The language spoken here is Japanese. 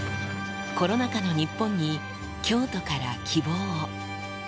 コロナ禍の日本に、京都から希望を。